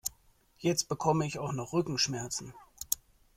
Jetzt bekomme ich auch noch Rückenschmerzen!